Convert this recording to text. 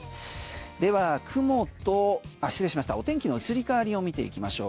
ではお天気の移り変わりを見ていきましょう。